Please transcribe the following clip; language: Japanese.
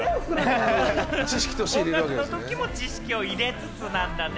音楽のときも知識を入れつつなんだね、